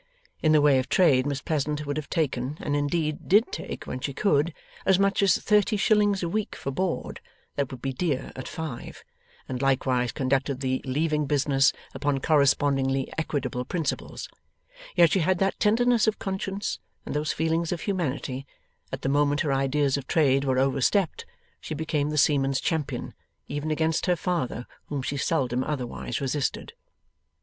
In the way of trade Miss Pleasant would have taken and indeed did take when she could as much as thirty shillings a week for board that would be dear at five, and likewise conducted the Leaving business upon correspondingly equitable principles; yet she had that tenderness of conscience and those feelings of humanity, that the moment her ideas of trade were overstepped, she became the seaman's champion, even against her father whom she seldom otherwise resisted.